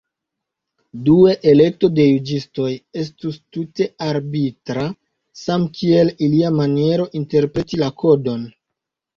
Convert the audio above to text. Due, elekto de juĝistoj estus tute arbitra, samkiel ilia maniero interpreti la kodon.